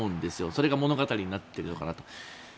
それが物語になっているのかなと。